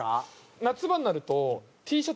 夏場になると。